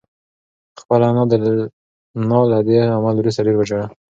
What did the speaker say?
خپله انا له دې عمل وروسته ډېره وژړل.